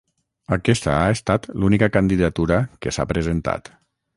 Aquesta ha estat l’única candidatura que s’ha presentat.